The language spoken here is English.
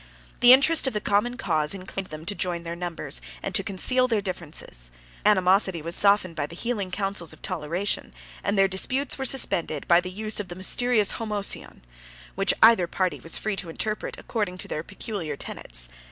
The interest of the common cause inclined them to join their numbers, and to conceal their differences; their animosity was softened by the healing counsels of toleration, and their disputes were suspended by the use of the mysterious Homoousion, which either party was free to interpret according to their peculiar tenets.